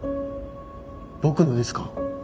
僕のですか？